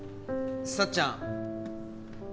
さっちゃん。